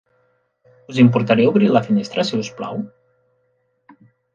Us importaria obrir la finestra, si us plau?